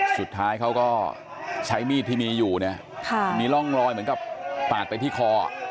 สุดท้ายเขาก็ใช้มีดที่มีอยู่เนี่ยมีร่องรอยเหมือนกับปาดไปที่คอ